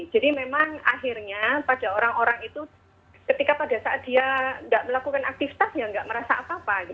jadi memang akhirnya pada orang orang itu ketika pada saat dia tidak melakukan aktivitas ya tidak merasa apa apa gitu ya